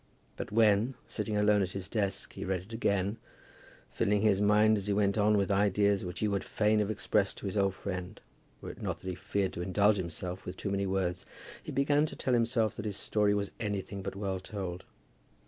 But when, sitting alone at his desk, he read it again, filling his mind as he went on with ideas which he would fain have expressed to his old friend, were it not that he feared to indulge himself with too many words, he began to tell himself that his story was anything but well told.